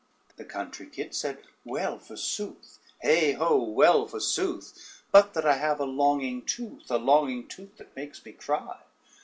The country kit said: "Well, forsooth, heigh ho, well forsooth! But that I have a longing tooth, a longing tooth that makes me cry."